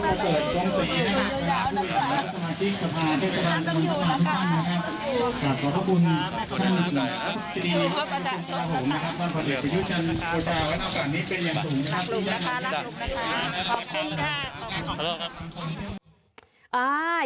ประชาติบต่างและภาพธุรกิจ